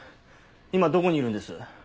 今どこにいるんです？